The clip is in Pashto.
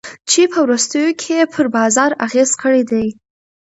چي په وروستیو کي ئې پر بازار اغېز کړی دی.